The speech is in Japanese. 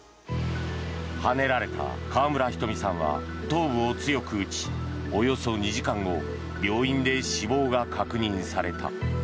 はねられた川村ひとみさんは頭部を強く打ちおよそ２時間後病院で死亡が確認された。